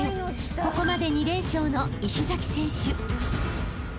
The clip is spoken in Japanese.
ここまで２連勝の石崎選手］